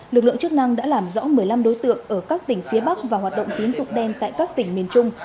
lực lượng chức năng đã làm rõ một mươi năm đối tượng ở các tỉnh phía bắc và hoạt động tín dụng đen tại các tỉnh miền trung